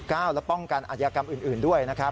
และป้องกันอาชญากรรมอื่นด้วยนะครับ